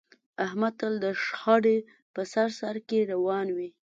احمد تل د شخړې په سر سرکې روان وي.